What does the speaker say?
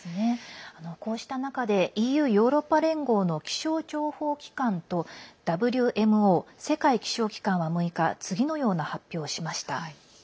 こうした中でＥＵ＝ヨーロッパ連合の気象情報機関とＷＭＯ＝世界気象機関は６日次のような発表をしました。